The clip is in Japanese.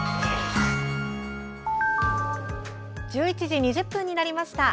１１時２０分になりました。